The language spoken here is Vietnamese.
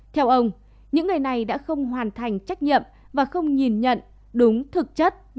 theo ông những người này đã không hoàn thành trách nhiệm và không nhìn nhận đúng thực chất về cuộc đời